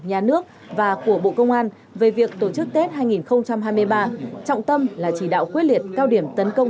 nhà nước và của bộ công an về việc tổ chức tết hai nghìn hai mươi ba trọng tâm là chỉ đạo quyết liệt cao điểm tấn công